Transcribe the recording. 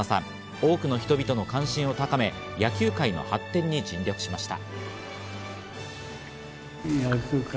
多くの人々の関心を高め野球界の発展に尽力しました。